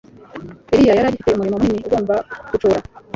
Eliya yari agifite umurimo munini agomba gucora,